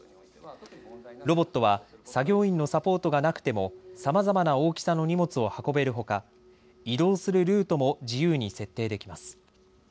ロボットは作業員のサポートがなくてもさまざまな大きさの荷物を運べるほか、移動するルートも自由に設定できます。